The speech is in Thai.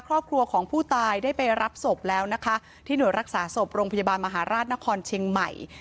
ครอบครัวของผู้ตายได้ไปรับศพแล้วนะคะที่หน่วยรักษาศพโรงพยาบาลมหาราชนครเชียงใหม่